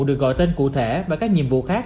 được gọi tên cụ thể và các nhiệm vụ khác